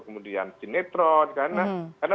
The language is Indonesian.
kemudian sinetron karena